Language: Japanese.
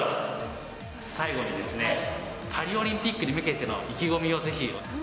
最後にですね、パリオリンピックに向けての意気込みをぜひ。